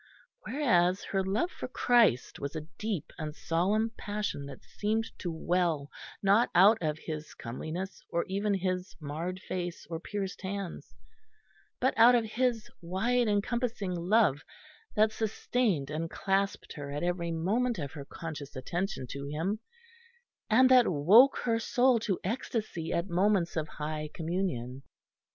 Whereas her love for Christ was a deep and solemn passion that seemed to well not out of His comeliness or even His marred Face or pierced Hands, but out of His wide encompassing love that sustained and clasped her at every moment of her conscious attention to Him, and that woke her soul to ecstasy at moments of high communion.